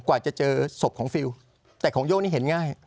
กว่าจะเจอศพของฟิลแต่ของโย่นี่เห็นง่าย